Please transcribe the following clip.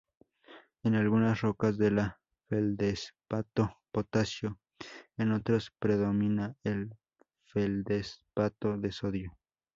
En algunas rocas de la feldespato potásico, en otros predomina el feldespato de sodio.